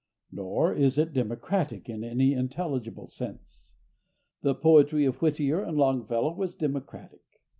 Nor is it democratic, in any intelligible sense. The poetry of Whittier and Longfellow was democratic.